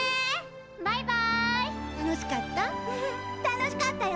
楽しかった？